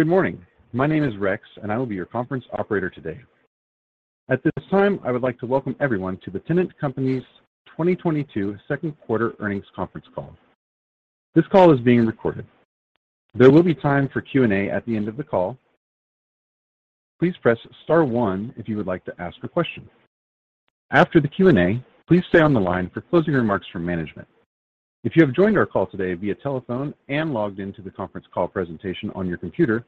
Good morning. My name is Rex, and I will be your conference operator today. At this time, I would like to welcome everyone to the Tennant Company's 2022 second quarter earnings conference call. This call is being recorded. There will be time for Q&A at the end of the call. Please press star one if you would like to ask a question. After the Q&A, please stay on the line for closing remarks from management. If you have joined our call today via telephone and logged into the conference call presentation on your computer,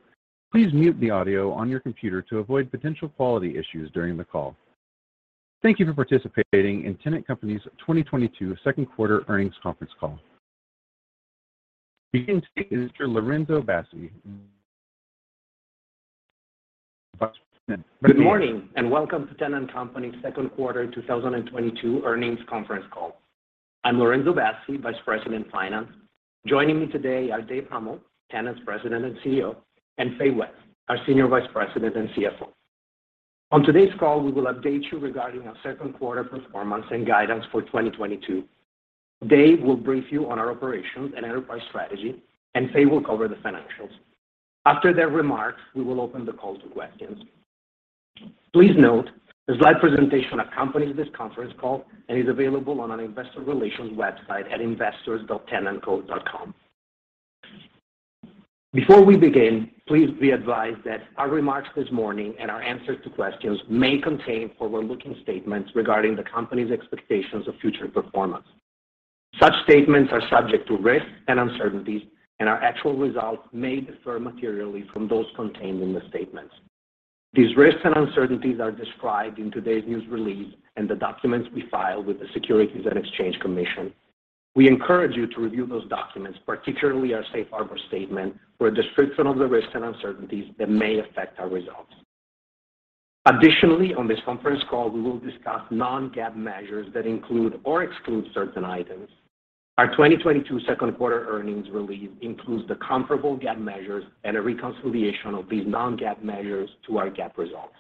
please mute the audio on your computer to avoid potential quality issues during the call. Thank you for participating in Tennant Company's 2022 second quarter earnings conference call. Beginning to speak is Mr. Lorenzo Bassi. Good morning and welcome to Tennant Company second quarter 2022 earnings conference call. I'm Lorenzo Bassi, Vice President, Finance. Joining me today are Dave Huml, Tennant's President and CEO, and Fay West, our Senior Vice President and CFO. On today's call, we will update you regarding our second quarter performance and guidance for 2022. Dave will brief you on our operations and enterprise strategy, and Fay will cover the financials. After their remarks, we will open the call to questions. Please note, the slide presentation accompanies this conference call and is available on our investor relations website at investors.tennantco.com. Before we begin, please be advised that our remarks this morning and our answers to questions may contain forward-looking statements regarding the company's expectations of future performance. Such statements are subject to risks and uncertainties, and our actual results may differ materially from those contained in the statements. These risks and uncertainties are described in today's news release and the documents we file with the Securities and Exchange Commission. We encourage you to review those documents, particularly our safe harbor statement, for a description of the risks and uncertainties that may affect our results. Additionally, on this conference call, we will discuss non-GAAP measures that include or exclude certain items. Our 2022 second quarter earnings release includes the comparable GAAP measures and a reconciliation of these non-GAAP measures to our GAAP results.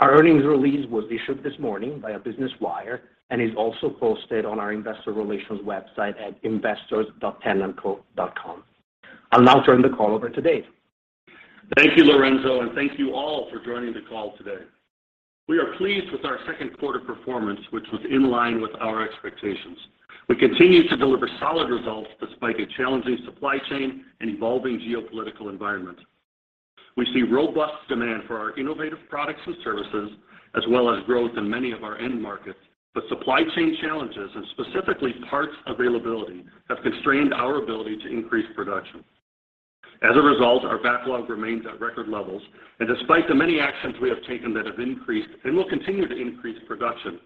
Our earnings release was issued this morning by Business Wire and is also posted on our investor relations website at investors.tennantco.com. I'll now turn the call over to Dave. Thank you Lorenzo, and thank you all for joining the call today. We are pleased with our second quarter performance, which was in line with our expectations. We continue to deliver solid results despite a challenging supply chain and evolving geopolitical environment. We see robust demand for our innovative products and services, as well as growth in many of our end markets, but supply chain challenges and specifically parts availability have constrained our ability to increase production. As a result, our backlog remains at record levels, and despite the many actions we have taken that have increased and will continue to increase production,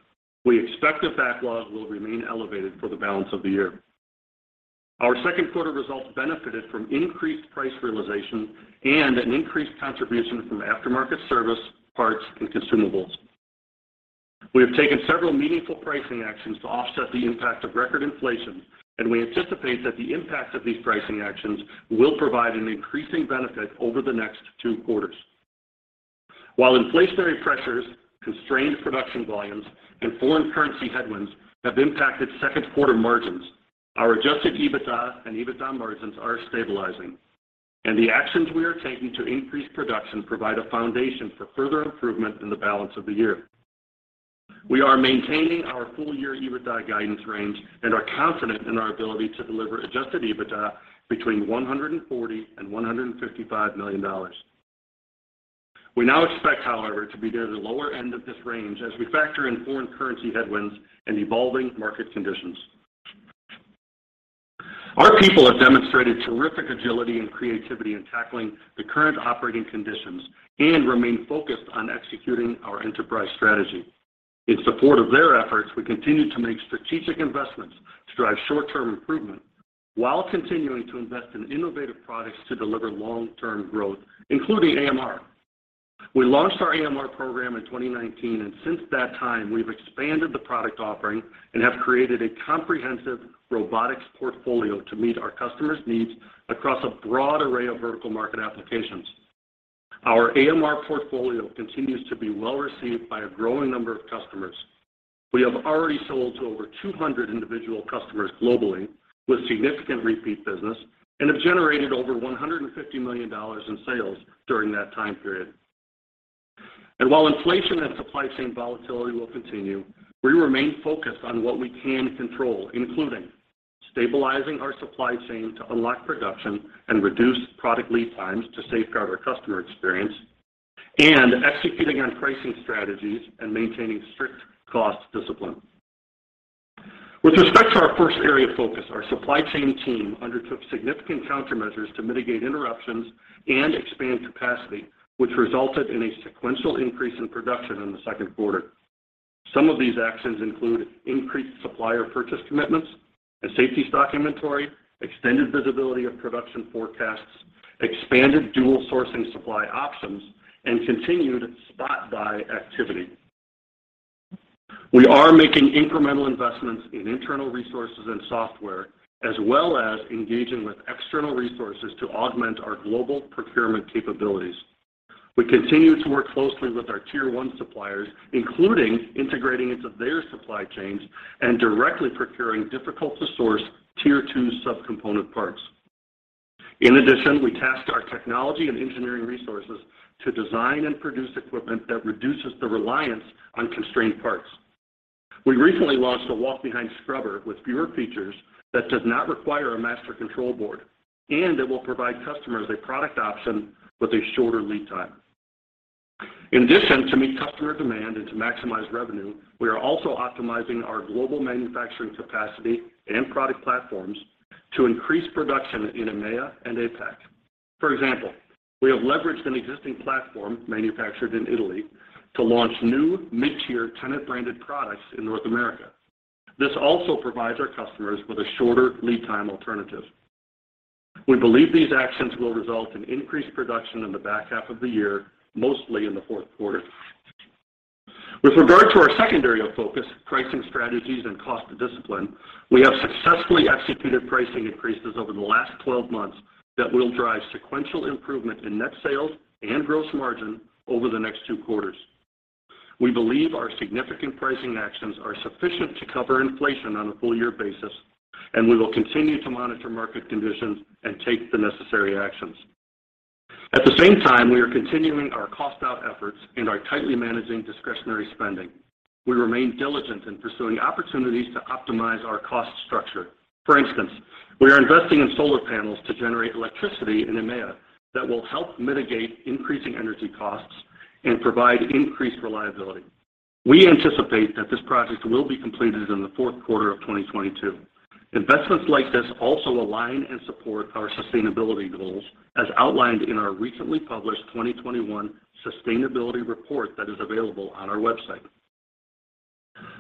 we expect the backlog will remain elevated for the balance of the year. Our second quarter results benefited from increased price realization and an increased contribution from aftermarket service, parts, and consumables. We have taken several meaningful pricing actions to offset the impact of record inflation, and we anticipate that the impact of these pricing actions will provide an increasing benefit over the next two quarters. While inflationary pressures, constrained production volumes, and foreign currency headwinds have impacted second quarter margins, our adjusted EBITDA and EBITDA margins are stabilizing, and the actions we are taking to increase production provide a foundation for further improvement in the balance of the year. We are maintaining our full-year EBITDA guidance range and are confident in our ability to deliver adjusted EBITDA between $140 million and $155 million. We now expect, however, to be near the lower end of this range as we factor in foreign currency headwinds and evolving market conditions. Our people have demonstrated terrific agility and creativity in tackling the current operating conditions and remain focused on executing our enterprise strategy. In support of their efforts, we continue to make strategic investments to drive short-term improvement while continuing to invest in innovative products to deliver long-term growth, including AMR. We launched our AMR program in 2019, and since that time, we've expanded the product offering and have created a comprehensive robotics portfolio to meet our customers' needs across a broad array of vertical market applications. Our AMR portfolio continues to be well-received by a growing number of customers. We have already sold to over 200 individual customers globally with significant repeat business and have generated over $150 million in sales during that time period. While inflation and supply chain volatility will continue, we remain focused on what we can control, including stabilizing our supply chain to unlock production and reduce product lead times to safeguard our customer experience and executing on pricing strategies and maintaining strict cost discipline. With respect to our first area of focus, our supply chain team undertook significant countermeasures to mitigate interruptions and expand capacity, which resulted in a sequential increase in production in the second quarter. Some of these actions include increased supplier purchase commitments and safety stock inventory, extended visibility of production forecasts, expanded dual sourcing supply options, and continued spot buy activity. We are making incremental investments in internal resources and software, as well as engaging with external resources to augment our global procurement capabilities. We continue to work closely with our tier one suppliers, including integrating into their supply chains and directly procuring difficult to source tier two sub-component parts. In addition, we tasked our technology and engineering resources to design and produce equipment that reduces the reliance on constrained parts. We recently launched a walk behind scrubber with fewer features that does not require a master control board, and it will provide customers a product option with a shorter lead time. In addition, to meet customer demand and to maximize revenue, we are also optimizing our global manufacturing capacity and product platforms to increase production in EMEA and APAC. For example, we have leveraged an existing platform manufactured in Italy to launch new mid-tier Tennant branded products in North America. This also provides our customers with a shorter lead time alternative. We believe these actions will result in increased production in the back half of the year, mostly in the fourth quarter. With regard to our secondary focus, pricing strategies and cost discipline, we have successfully executed pricing increases over the last twelve months that will drive sequential improvement in net sales and gross margin over the next two quarters. We believe our significant pricing actions are sufficient to cover inflation on a full year basis, and we will continue to monitor market conditions and take the necessary actions. At the same time, we are continuing our cost out efforts and are tightly managing discretionary spending. We remain diligent in pursuing opportunities to optimize our cost structure. For instance we are investing in solar panels to generate electricity in EMEA that will help mitigate increasing energy costs and provide increased reliability. We anticipate that this project will be completed in the fourth quarter of 2022. Investments like this also align and support our sustainability goals as outlined in our recently published 2021 sustainability report that is available on our website.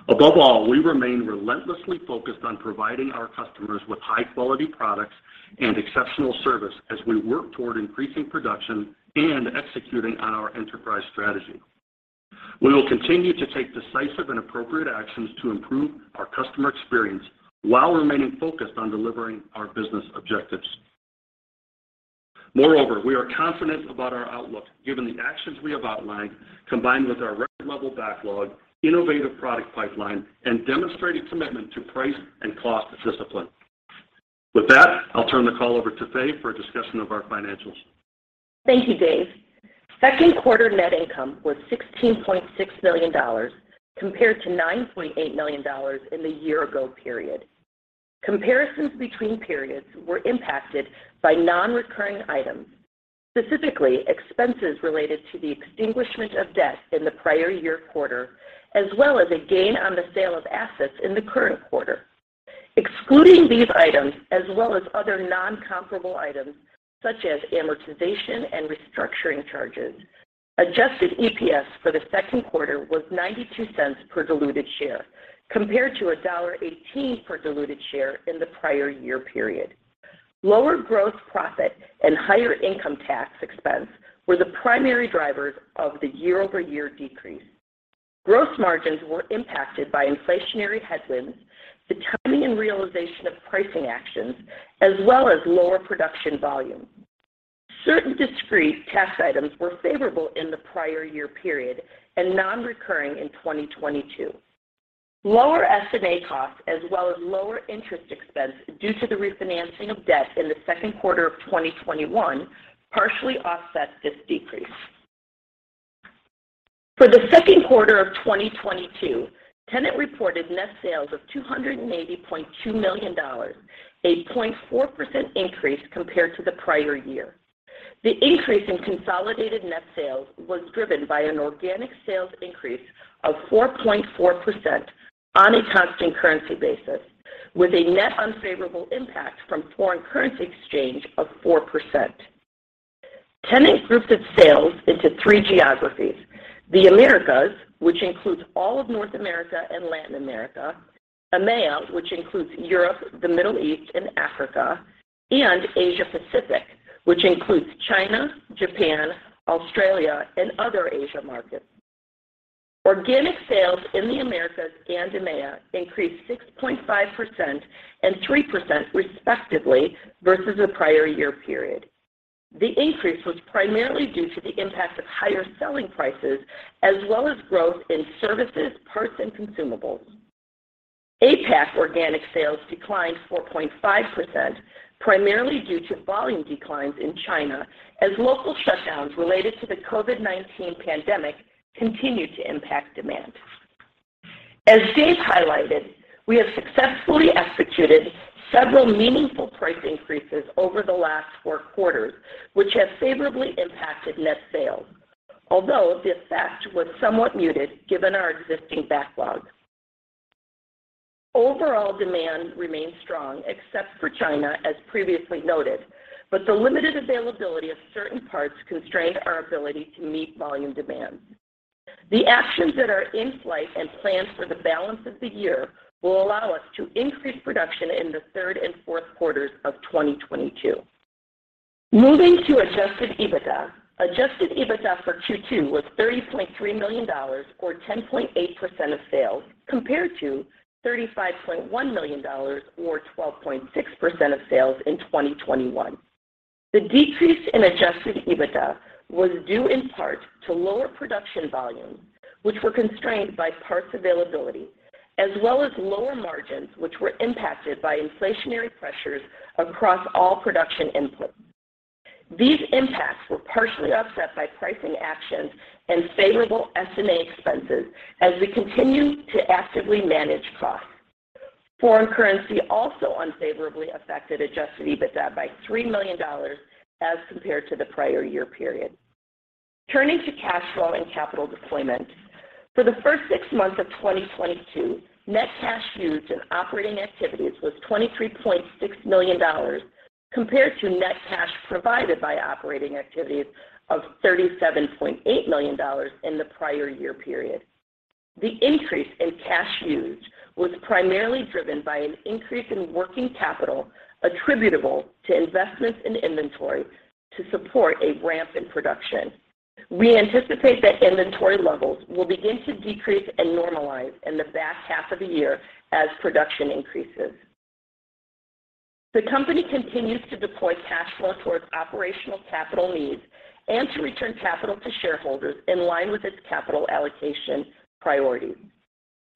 Above all, we remain relentlessly focused on providing our customers with high quality products and exceptional service as we work toward increasing production and executing on our enterprise strategy. We will continue to take decisive and appropriate actions to improve our customer experience while remaining focused on delivering our business objectives. Moreover, we are confident about our outlook given the actions we have outlined, combined with our record level backlog, innovative product pipeline, and demonstrated commitment to price and cost discipline. With that I'll turn the call over to Fay for a discussion of our financials. Thank you Dave. Second quarter net income was $16.6 million compared to $9.8 million in the year-ago period. Comparisons between periods were impacted by non-recurring items, specifically expenses related to the extinguishment of debt in the prior year quarter, as well as a gain on the sale of assets in the current quarter. Excluding these items as well as other non-comparable items such as amortization and restructuring charges, adjusted EPS for the second quarter was $0.92 per diluted share, compared to $1.18 per diluted share in the prior year period. Lower gross profit and higher income tax expense were the primary drivers of the year-over-year decrease. Gross margins were impacted by inflationary headwinds, the timing and realization of pricing actions, as well as lower production volumes. Certain discrete tax items were favorable in the prior year period and non-recurring in 2022. Lower S&A costs as well as lower interest expense due to the refinancing of debt in the second quarter of 2021 partially offset this decrease. For the second quarter of 2022, Tennant reported net sales of $280.2 million, a 0.4% increase compared to the prior year. The increase in consolidated net sales was driven by an organic sales increase of 4.4% on a constant currency basis, with a net unfavorable impact from foreign currency exchange of 4%. Tennant groups its sales into three geographies. The Americas, which includes all of North America and Latin America, EMEA, which includes Europe, the Middle East and Africa, and Asia Pacific, which includes China, Japan, Australia, and other Asia markets. Organic sales in the Americas and EMEA increased 6.5% and 3% respectively versus the prior year period. The increase was primarily due to the impact of higher selling prices as well as growth in services, parts, and consumables. APAC organic sales declined 4.5%, primarily due to volume declines in China as local shutdowns related to the COVID-19 pandemic continued to impact demand. As Dave highlighted, we have successfully executed several meaningful price increases over the last four quarters, which have favorably impacted net sales, although the effect was somewhat muted given our existing backlog. Overall demand remains strong except for China, as previously noted, but the limited availability of certain parts constrained our ability to meet volume demand. The actions that are in flight and planned for the balance of the year will allow us to increase production in the third and fourth quarters of 2022. Moving to adjusted EBITDA. Adjusted EBITDA for Q2 was $30.3 million or 10.8% of sales, compared to $35.1 million or 12.6% of sales in 2021. The decrease in adjusted EBITDA was due in part to lower production volumes, which were constrained by parts availability, as well as lower margins, which were impacted by inflationary pressures across all production inputs. These impacts were partially offset by pricing actions and favorable S&A expenses as we continue to actively manage costs. Foreign currency also unfavorably affected adjusted EBITDA by $3 million as compared to the prior year period. Turning to cash flow and capital deployment. For the first six months of 2022, net cash used in operating activities was $23.6 million compared to net cash provided by operating activities of $37.8 million in the prior year period. The increase in cash used was primarily driven by an increase in working capital attributable to investments in inventory to support a ramp in production. We anticipate that inventory levels will begin to decrease and normalize in the back half of the year as production increases. The company continues to deploy cash flow towards operational capital needs and to return capital to shareholders in line with its capital allocation priority.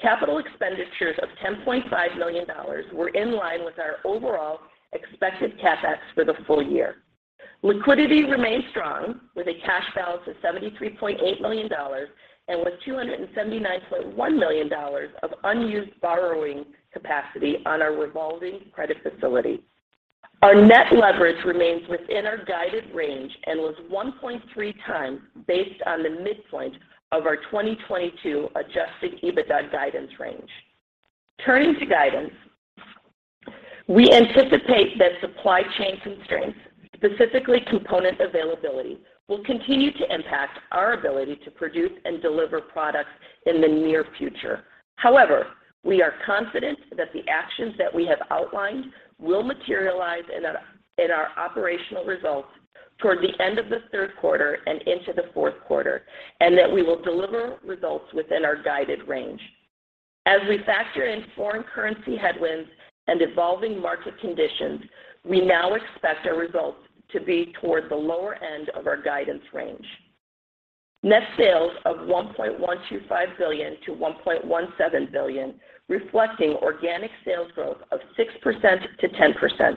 Capital expenditures of $10.5 million were in line with our overall expected CapEx for the full year. Liquidity remained strong with a cash balance of $73.8 million and with $279.1 million of unused borrowing capacity on our revolving credit facility. Our net leverage remains within our guided range and was 1.3x based on the midpoint of our 2022 adjusted EBITDA guidance range. Turning to guidance, we anticipate that supply chain constraints, specifically component availability, will continue to impact our ability to produce and deliver products in the near future. However, we are confident that the actions that we have outlined will materialize in our operational results toward the end of the third quarter and into the fourth quarter, and that we will deliver results within our guided range. As we factor in foreign currency headwinds and evolving market conditions, we now expect our results to be toward the lower end of our guidance range. Net sales of $1.125 billion-$1.17 billion, reflecting organic sales growth of 6%-10%.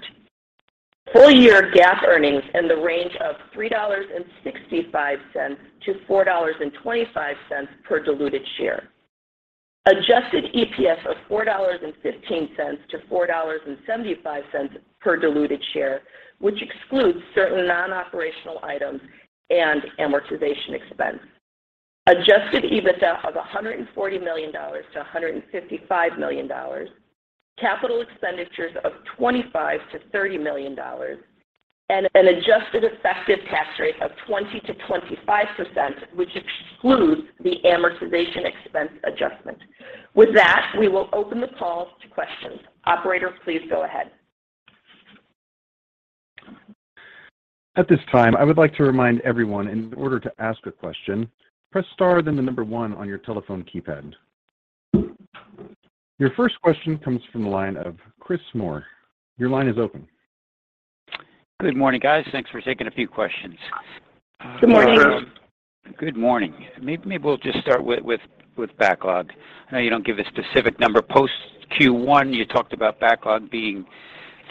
Full year GAAP earnings in the range of $3.65-$4.25 per diluted share. Adjusted EPS of $4.15-$4.75 per diluted share, which excludes certain non-operational items and amortization expense. Adjusted EBITDA of $140 million-$155 million. Capital expenditures of $25 million-$30 million. An adjusted effective tax rate of 20%-25%, which excludes the amortization expense adjustment. With that, we will open the call to questions. Operator please go ahead. At this time I would like to remind everyone in order to ask a question, press star then the number one on your telephone keypad. Your first question comes from the line of Chris Moore. Your line is open. Good morning guys. Thanks for taking a few questions. Good morning. Good morning. Maybe we'll just start with backlog. I know you don't give a specific number. Post Q1, you talked about backlog being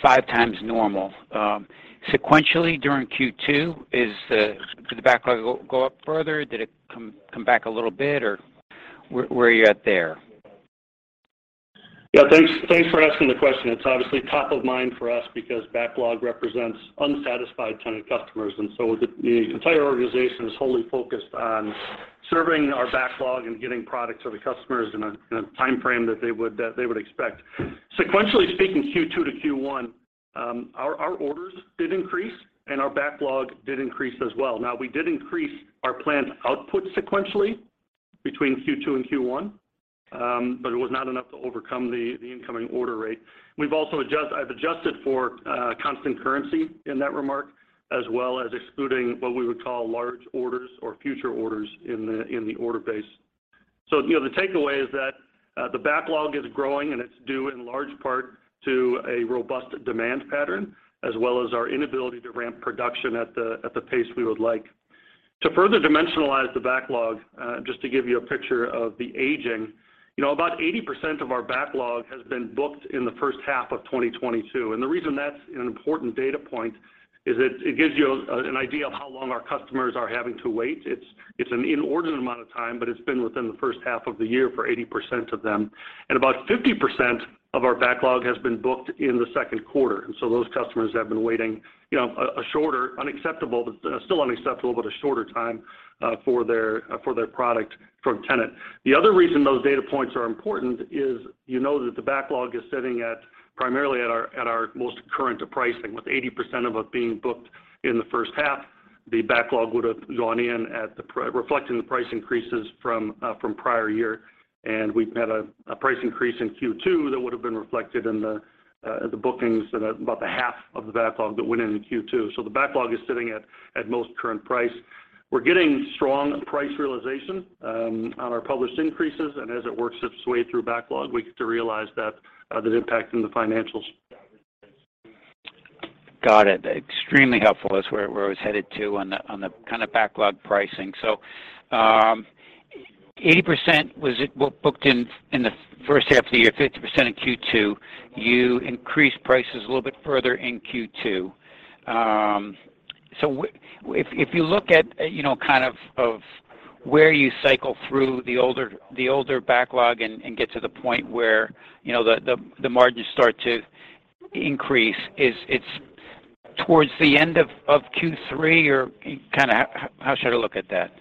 5x normal. Sequentially during Q2, did the backlog go up further? Did it come back a little bit, or where are you at there? Yeah. Thanks for asking the question. It's obviously top of mind for us because backlog represents unsatisfied Tennant customers, and so the entire organization is wholly focused on serving our backlog and getting product to the customers in a timeframe that they would expect. Sequentially speaking, Q2 to Q1, our orders did increase and our backlog did increase as well. Now, we did increase our planned output sequentially between Q2 and Q1, but it was not enough to overcome the incoming order rate. We've also adjusted for constant currency in that remark, as well as excluding what we would call large orders or future orders in the order base. You know the takeaway is that the backlog is growing, and it's due in large part to a robust demand pattern, as well as our inability to ramp production at the pace we would like. To further dimensionalize the backlog, just to give you a picture of the aging. You know, about 80% of our backlog has been booked in the first half of 2022, and the reason that's an important data point is it gives you an idea of how long our customers are having to wait. It's an inordinate amount of time, but it's been within the first half of the year for 80% of them. About 50% of our backlog has been booked in the second quarter, and so those customers have been waiting, you know, a shorter unacceptable, but still unacceptable time for their product from Tennant. The other reason those data points are important is you know that the backlog is sitting at primarily at our most current pricing. With 80% of it being booked in the first half, the backlog would've gone in reflecting the price increases from prior year. We've had a price increase in Q2 that would've been reflected in the bookings and about half of the backlog that went in in Q2. The backlog is sitting at most current price. We're getting strong price realization on our published increases, and as it works its way through backlog, we get to realize that impact in the financials. Got it. Extremely helpful. That's where I was headed to on the kind of backlog pricing. So, 80% was it booked in the first half of the year, 50% in Q2. You increased prices a little bit further in Q2. If you look at, you know, kind of where you cycle through the older backlog and get to the point where, you know, the margins start to increase, is it towards the end of Q3 or kind of how should I look at that?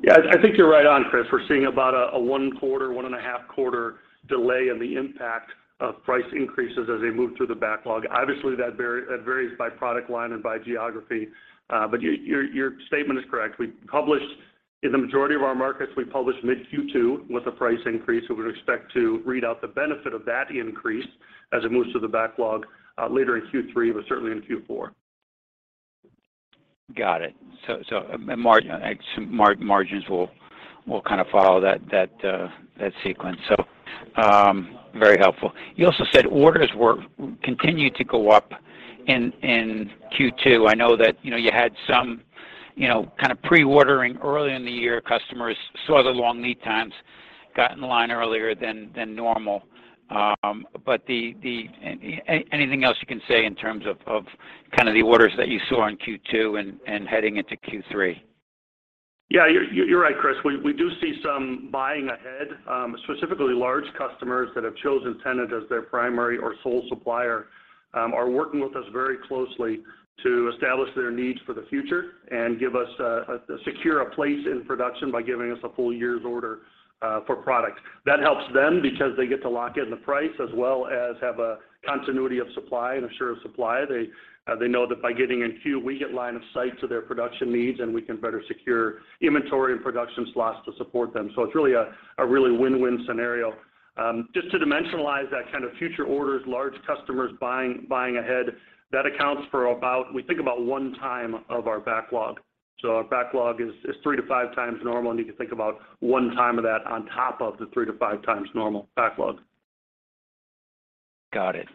Yeah. I think you're right on Chris. We're seeing about a one quarter, one and a half quarter delay in the impact of price increases as they move through the backlog. Obviously, that varies by product line and by geography. But your statement is correct. In the majority of our markets, we published mid-Q2 with a price increase. We would expect to read out the benefit of that increase as it moves to the backlog, later in Q3, but certainly in Q4. Got it. I assume margins will kind of follow that sequence. Very helpful. You also said orders continued to go up in Q2. I know that, you know, you had some, you know, kind of pre-ordering early in the year. Customers saw the long lead times, got in line earlier than normal. Anything else you can say in terms of kind of the orders that you saw in Q2 and heading into Q3? You're right Chris. We do see some buying ahead, specifically large customers that have chosen Tennant as their primary or sole supplier, are working with us very closely to establish their needs for the future and give us a secure place in production by giving us a full year's order for product. That helps them because they get to lock in the price as well as have a continuity of supply and assurance of supply. They know that by getting in queue, we get line of sight to their production needs, and we can better secure inventory and production slots to support them. It's really a win-win scenario. Just to dimensionalize that kind of future orders, large customers buying ahead, that accounts for about one time of our backlog, we think. Our backlog is 3-5x normal, and you can think about 1 time of that on top of the 3-5x normal backlog. Got it.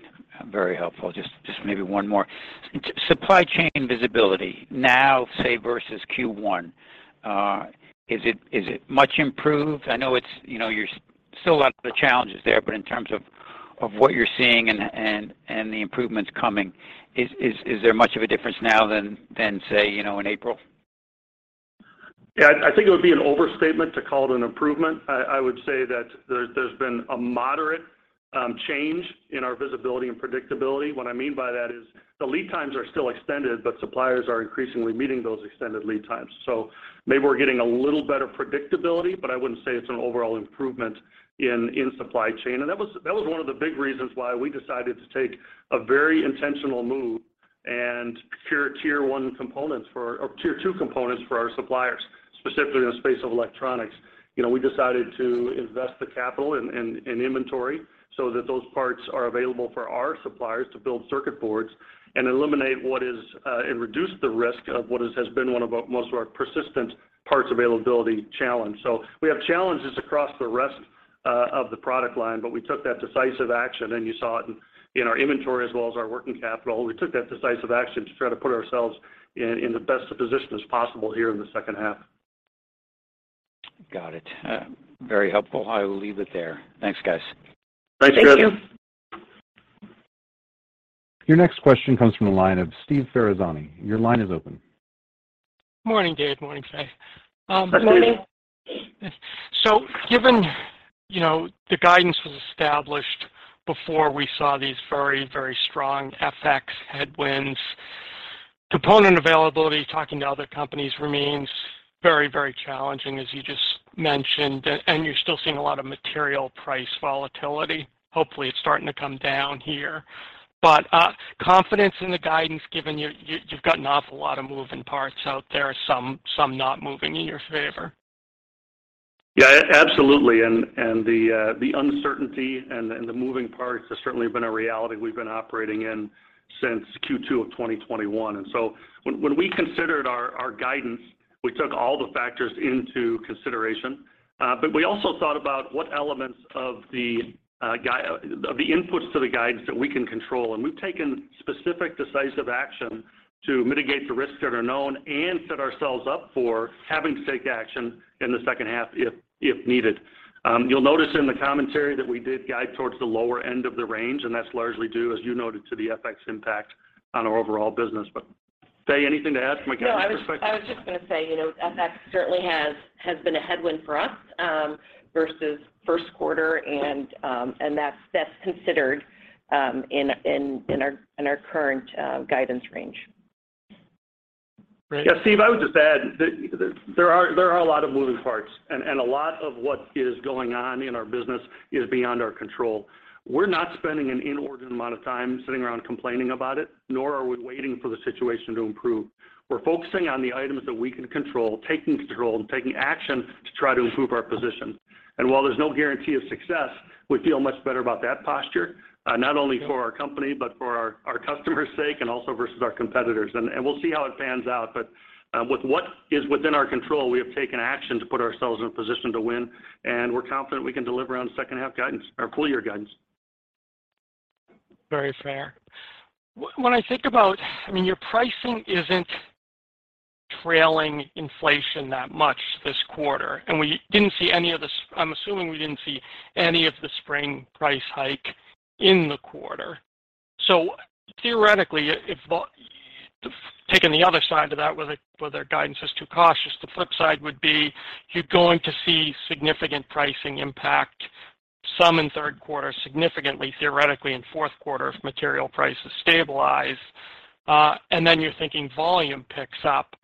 Very helpful. Just maybe one more. Supply chain visibility now, say, versus Q1, is it much improved? I know it's, you know, there's still a lot of the challenges there, but in terms of what you're seeing and the improvements coming, is there much of a difference now than, say, you know, in April? Yeah. I think it would be an overstatement to call it an improvement. I would say that there's been a moderate change in our visibility and predictability. What I mean by that is the lead times are still extended, but suppliers are increasingly meeting those extended lead times. Maybe we're getting a little better predictability, but I wouldn't say it's an overall improvement in supply chain. That was one of the big reasons why we decided to take a very intentional move and secure tier one or tier two components for our suppliers, specifically in the space of electronics. You know, we decided to invest the capital in inventory so that those parts are available for our suppliers to build circuit boards and eliminate what is. Reduce the risk of what has been one of our most persistent parts availability challenge. We have challenges across the rest of the product line, but we took that decisive action, and you saw it in our inventory as well as our working capital. We took that decisive action to try to put ourselves in the best position as possible here in the second half. Got it. Very helpful. I will leave it there. Thanks, guys. Thanks Chris. Thank you. Your next question comes from the line of Steve Ferazani. Your line is open. Morning Dave. Morning, Fay. Morning. Given you know, the guidance was established before we saw these very, very strong FX headwinds. Component availability, talking to other companies, remains very, very challenging, as you just mentioned, and you're still seeing a lot of material price volatility. Hopefully, it's starting to come down here. Confidence in the guidance, given you've got an awful lot of moving parts out there, some not moving in your favor. Yeah absolutely. The uncertainty and the moving parts have certainly been a reality we've been operating in since Q2 of 2021. When we considered our guidance, we took all the factors into consideration. We also thought about what elements of the inputs to the guidance that we can control. We've taken specific decisive action to mitigate the risks that are known and set ourselves up for having to take action in the second half if needed. You'll notice in the commentary that we did guide towards the lower end of the range, and that's largely due, as you noted, to the FX impact on our overall business. Fay, anything to add from a guidance perspective? No I was just gonna say, you know, FX certainly has been a headwind for us versus first quarter, and that's considered in our current guidance range. Yeah. Steve I would just add that there are a lot of moving parts, and a lot of what is going on in our business is beyond our control. We're not spending an inordinate amount of time sitting around complaining about it, nor are we waiting for the situation to improve. We're focusing on the items that we can control, taking control and taking action to try to improve our position. While there's no guarantee of success, we feel much better about that posture, not only for our company, but for our customers' sake and also versus our competitors. We'll see how it pans out. With what is within our control, we have taken action to put ourselves in a position to win, and we're confident we can deliver on second half guidance or full year guidance. Very fair. When I think about I mean, your pricing isn't trailing inflation that much this quarter, and I'm assuming we didn't see any of the spring price hike in the quarter. Theoretically, if taking the other side of that, whether guidance is too cautious, the flip side would be you're going to see significant pricing impact, some in third quarter, significantly, theoretically, in fourth quarter if material prices stabilize. You're thinking volume picks up.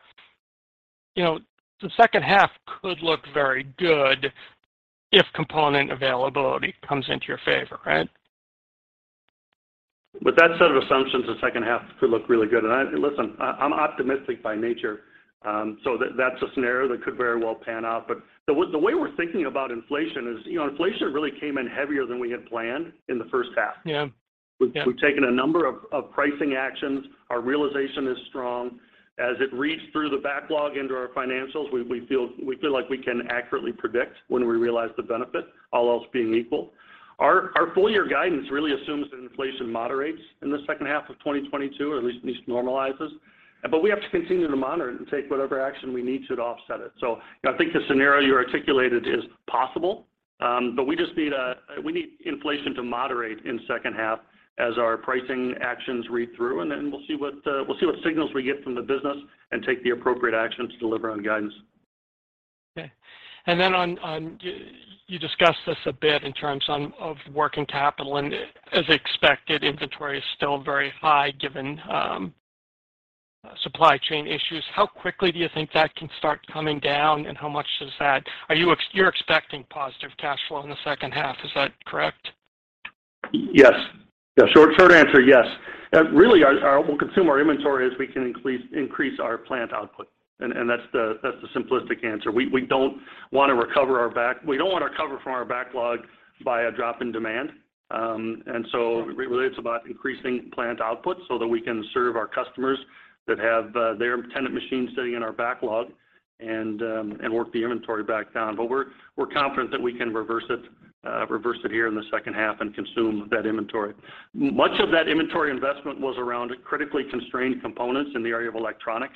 You know, the second half could look very good if component availability comes into your favor, right? With that set of assumptions the second half could look really good. Listen, I'm optimistic by nature, so that's a scenario that could very well pan out. The way we're thinking about inflation is, you know, inflation really came in heavier than we had planned in the first half. Yeah. Yeah. We've taken a number of pricing actions. Our realization is strong. As it reads through the backlog into our financials, we feel like we can accurately predict when we realize the benefit, all else being equal. Our full year guidance really assumes that inflation moderates in the second half of 2022, or at least normalizes. We have to continue to monitor it and take whatever action we need to offset it. You know, I think the scenario you articulated is possible. We just need inflation to moderate in second half as our pricing actions read through, and then we'll see what signals we get from the business and take the appropriate action to deliver on guidance. Okay. You discussed this a bit in terms of working capital, and as expected, inventory is still very high given supply chain issues. How quickly do you think that can start coming down? Are you expecting positive cash flow in the second half, is that correct? Yes. Yeah short answer, yes. Really, we'll consume our inventory as we can increase our plant output, and that's the simplistic answer. We don't wanna recover from our backlog by a drop in demand. Really it's about increasing plant output so that we can serve our customers that have their Tennant machine sitting in our backlog and work the inventory back down. We're confident that we can reverse it here in the second half and consume that inventory. Much of that inventory investment was around critically constrained components in the area of electronics.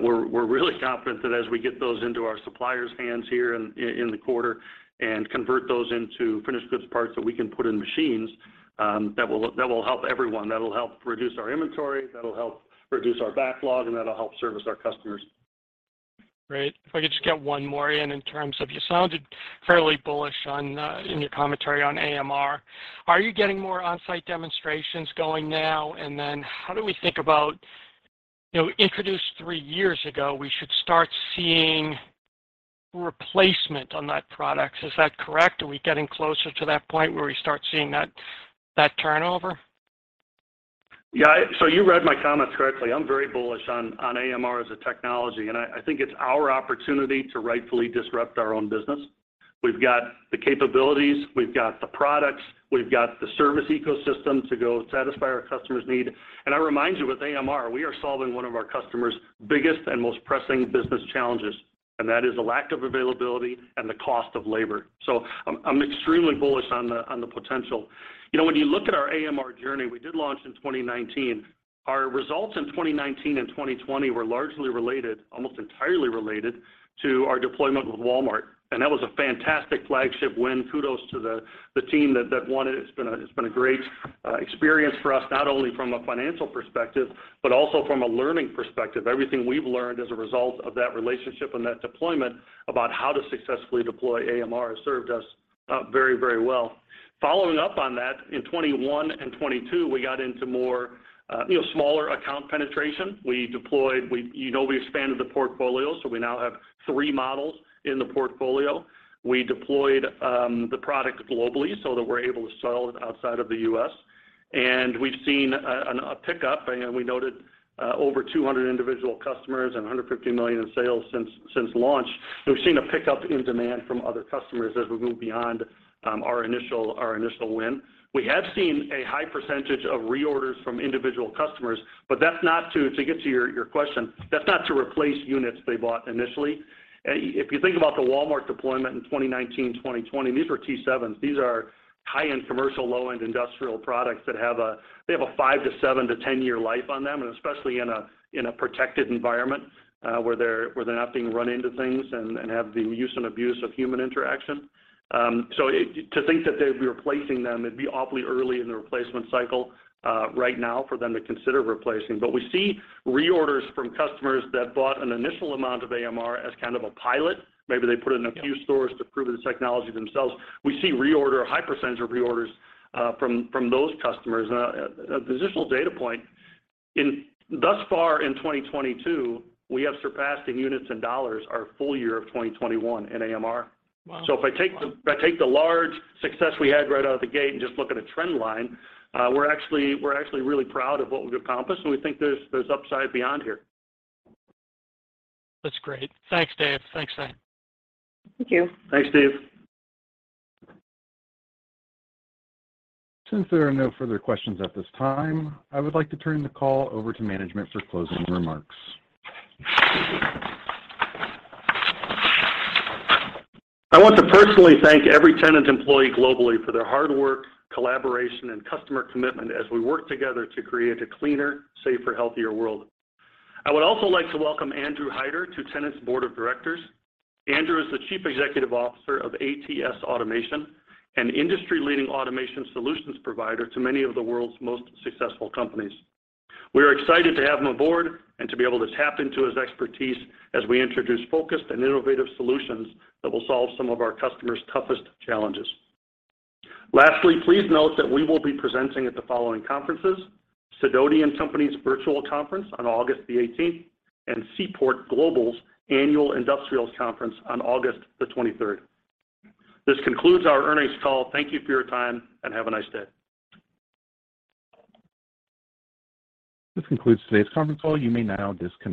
We're really confident that as we get those into our suppliers' hands here in the quarter and convert those into finished goods parts that we can put in machines, that will help everyone. That'll help reduce our inventory, that'll help reduce our backlog, and that'll help service our customers. Great. If I could just get one more in terms of you sounded fairly bullish on, in your commentary on AMR. Are you getting more on-site demonstrations going now? How do we think about, you know, introduced three years ago, we should start seeing replacement on that product. Is that correct? Are we getting closer to that point where we start seeing that turnover? Yeah you read my comments correctly. I'm very bullish on AMR as a technology, and I think it's our opportunity to rightfully disrupt our own business. We've got the capabilities, we've got the products, we've got the service ecosystem to go satisfy our customers' need. I remind you with AMR, we are solving one of our customers' biggest and most pressing business challenges, and that is the lack of availability and the cost of labor. I'm extremely bullish on the potential. You know, when you look at our AMR journey, we did launch in 2019. Our results in 2019 and 2020 were largely related, almost entirely related to our deployment with Walmart, and that was a fantastic flagship win. Kudos to the team that won it. It's been a great experience for us, not only from a financial perspective, but also from a learning perspective. Everything we've learned as a result of that relationship and that deployment about how to successfully deploy AMR has served us very well. Following up on that, in 2021 and 2022, we got into more you know smaller account penetration. You know, we expanded the portfolio, so we now have three models in the portfolio. We deployed the product globally so that we're able to sell it outside of the US. We've seen a pickup, and we noted over 200 individual customers and $150 million in sales since launch. We've seen a pickup in demand from other customers as we move beyond our initial win. We have seen a high percentage of reorders from individual customers, but that's not to get to your question. That's not to replace units they bought initially. If you think about the Walmart deployment in 2019, 2020, these were T7s. These are high-end commercial, low-end industrial products that have a five to seven to 10-year life on them, and especially in a protected environment, where they're not being run into things and have the use and abuse of human interaction. To think that they'd be replacing them, it'd be awfully early in the replacement cycle right now for them to consider replacing. We see reorders from customers that bought an initial amount of AMR as kind of a pilot. Maybe they put it in a few stores to prove the technology themselves. We see reorder, a high percentage of reorders, from those customers. An additional data point, thus far in 2022, we have surpassed in units and dollars our full year of 2021 in AMR. Wow. Wow. If I take the large success we had right out of the gate and just look at a trend line, we're actually really proud of what we've accomplished, and we think there's upside beyond here. That's great. Thanks Dave. Thanks, Dan. Thank you. Thanks Dave. Since there are no further questions at this time, I would like to turn the call over to management for closing remarks. I want to personally thank every Tennant employee globally for their hard work, collaboration, and customer commitment as we work together to create a cleaner, safer, healthier world. I would also like to welcome Andrew Hider to Tennant's board of directors. Andrew is the Chief Executive Officer of ATS Automation, an industry-leading automation solutions provider to many of the world's most successful companies. We are excited to have him aboard and to be able to tap into his expertise as we introduce focused and innovative solutions that will solve some of our customers' toughest challenges. Lastly, please note that we will be presenting at the following conferences. Sidoti & Company's virtual conference on August the 18th, and Seaport Global's Annual Industrials Conference on August the 23rd. This concludes our earnings call. Thank you for your time, and have a nice day. This concludes today's conference call. You may now disconnect.